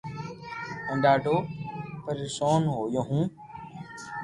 ھين ڌاڌو پرآݾون ھويو ھون